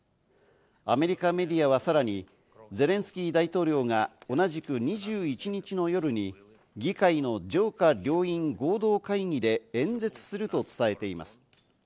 アメリカメディアはさらにゼレンスキー大統領が同じく２１日の夜に議会の上下両院合同会議で演説すると伝えています。